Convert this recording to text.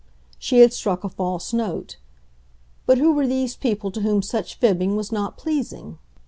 She had struck a false note. But who were these people to whom such fibbing was not pleasing?